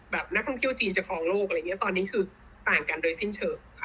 นักท่องเที่ยวจีนจะฟองโลกอะไรอย่างนี้ตอนนี้คือต่างกันโดยสิ้นเชิงค่ะ